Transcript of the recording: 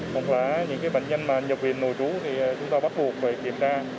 còn những bệnh nhân nhập viên nổi trú thì chúng ta bắt buộc phải kiểm tra